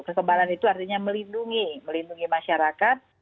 kekebalan itu artinya melindungi melindungi masyarakat